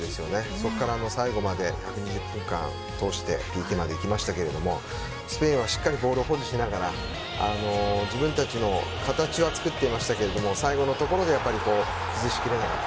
そこから最後まで１２０分間通して行きましたけどもスペインはしっかりボールを保持しながら自分たちの形は作っていましたが最後のところで崩しきれなかった。